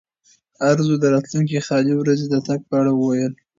ارزو د راتلونکې خالي ورځې د تګ په اړه وویل.